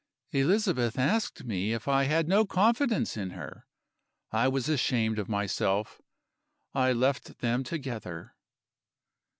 "Elizabeth asked me if I had no confidence in her. I was ashamed of myself; I left them together.